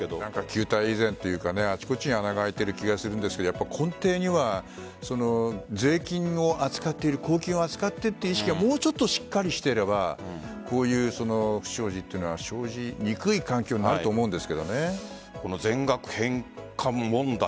旧態依然と言うかあちこち穴が開いてる気がするんですが根底には税金を扱っている公金を扱っているという意識がもうちょっとしっかりしていればこういう不祥事は生じにくい環境が全額返還問題